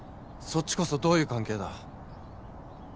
そっちこそどういう関係だ。